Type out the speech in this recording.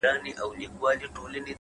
هوښیار انسان د فرصت ارزښت پېژني،